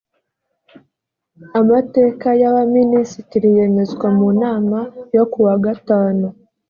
amateka y’ abaminisitiri yemezwa mu nama yo ku wa gatanu